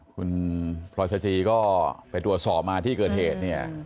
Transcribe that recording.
คุณพลอยสจีก็ไปตรวจสอบมาที่เกิดเหตุเนี่ย